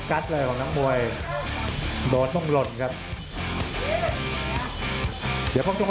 อัศวินาศาสตร์